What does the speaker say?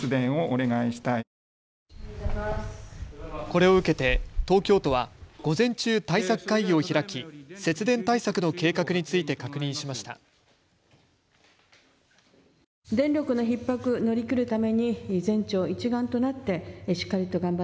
これを受けて東京都は午前中、対策会議を開き節電対策の計画について確認しました。